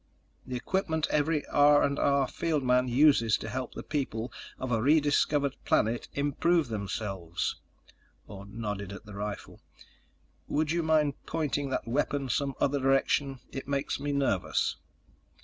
"The equipment every R&R field man uses to help the people of a rediscovered planet improve themselves." Orne nodded at the rifle. "Would you mind pointing that weapon some other direction? It makes me nervous."